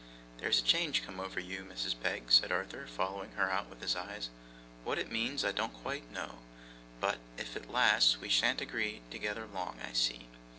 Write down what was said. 'There's a change come over you, Mrs. Peg,' said Arthur, following her out with his eyes. 'What it means I don't quite know; but, if it lasts, we shan't agree together long I see.